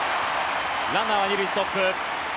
ランナーは２塁ストップ。